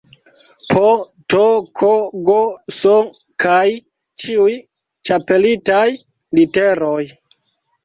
P, T, K, G, S kaj ĉiuj ĉapelitaj literoj